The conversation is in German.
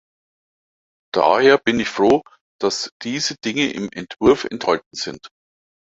Daher bin ich froh, dass diese Dinge im Entwurf enthalten sind.